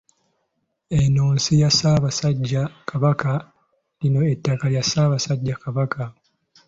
Eno nsi ya Ssaabasajja Kabaka, lino ettaka lya Ssaabasajja Kabaka.